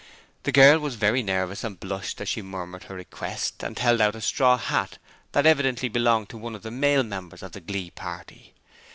The girl was very nervous and blushed as she murmured her request, and held out a straw hat that evidently belonged to one of the male members of the glee party.